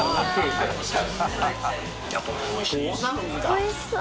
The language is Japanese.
おいしそう。